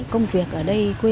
công việc ở đây